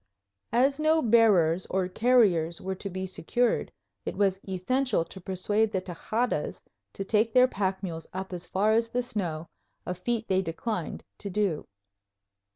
As no bearers or carriers were to be secured, it was essential to persuade the Tejadas to take their pack mules up as far as the snow, a feat they declined to do.